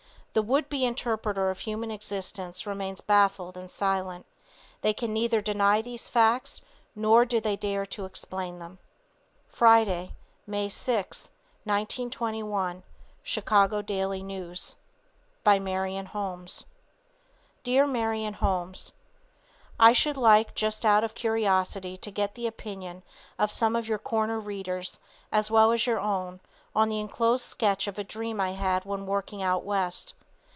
The would be interpreter of human existence remains baffled and silent; they can neither deny these facts nor do they dare to explain them. Friday, May 6, 1921, Chicago Daily News (by Marion Holmes): Dear Marion Holmes: I should like just out of curiosity to get the opinion of some of your corner readers, as well as your own, on the enclosed sketch of a dream I had when working out west.